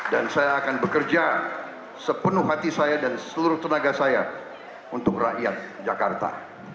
dan saya akan bekerja sepenuh hati saya dan seluruh tenaga saya untuk rakyat jakarta